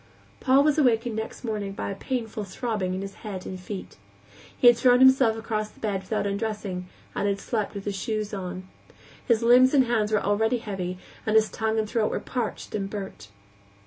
Paul was awakened next morning by a painful throbbing in his head and feet. He had thrown himself across the bed without undressing, and had slept with his shoes on. His limbs and hands were lead heavy, and his tongue and throat were parched and burnt.